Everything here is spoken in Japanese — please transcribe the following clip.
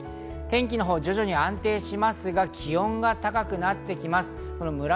天気が徐々に安定しますが、気温が高くなってきます。